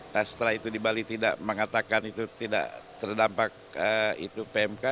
nah setelah itu di bali tidak mengatakan itu tidak terdampak itu pmk